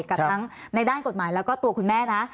กับทั้งในด้านกฎหมายแล้วก็ตัวคุณแม่นะ